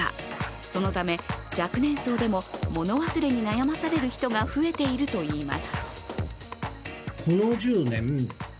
そのため、若年層でも物忘れに悩まされている人が増えているといいます。